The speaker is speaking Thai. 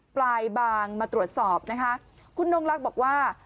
ปลายบางมาตรวจสอบนะคะคุณนงลักษณ์บอกว่า